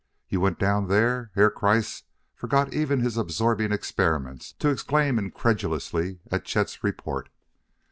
You went down there?" Herr Kreiss forgot even his absorbing experiments to exclaim incredulously at Chet's report.